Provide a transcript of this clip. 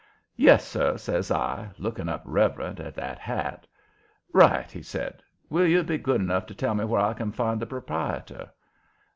"Yes, sir," says I, looking up reverent at that hat. "Right," he says. "Will you be good enough to tell me where I can find the proprietor?"